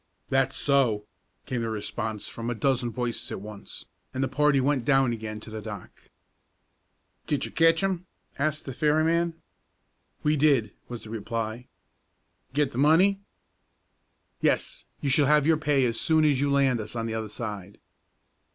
"That's so!" came the response from a dozen voices at once, and the party went down again to the dock. "Did you ketch 'im?" asked the ferryman. "We did," was the reply. "Git the money?" "Yes; you shall have your pay as soon as you land us on the other side."